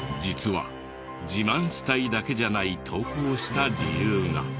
実は自慢したいだけじゃない投稿した理由が。